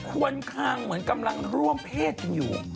ควรคางเหมือนกำลังร่วมเพศกันอยู่